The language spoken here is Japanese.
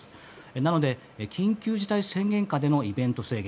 なので、緊急事態宣言下でのイベント制限。